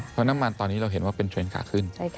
เพราะน้ำมันตอนนี้เราเห็นว่าเป็นเทรนด์ขาขึ้น